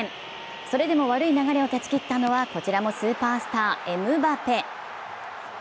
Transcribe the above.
それでも悪い流れを断ち切ったのはこちらもスーパースター、エムバペ。